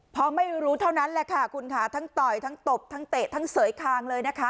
พอไม่รู้เท่านั้นแหละค่ะคุณค่ะทั้งต่อยทั้งตบทั้งเตะทั้งเสยคางเลยนะคะ